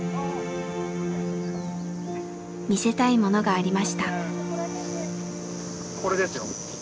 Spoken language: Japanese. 見せたいものがありました。